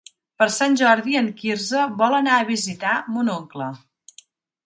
Per Sant Jordi en Quirze vol anar a visitar mon oncle.